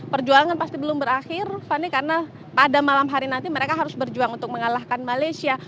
perjuangan pasti belum berakhir fanny karena pada malam hari nanti mereka harus berjuang untuk mengalahkan malaysia